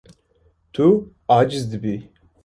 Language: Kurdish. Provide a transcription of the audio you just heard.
Tu aciz dibî.